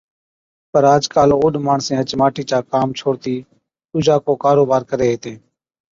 پَر آج ڪاله اوڏ ماڻسين هچ ماٽِي چا ڪام ڇوڙتِي ڏُوجا ڪو ڪاروبار ڪري هِتين،